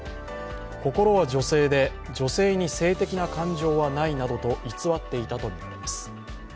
心は女性で、女性に性的な感情はないなどと偽っていたとみられます。